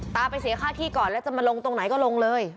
ไปเสียค่าที่ก่อนแล้วจะมาลงตรงไหนก็ลงเลย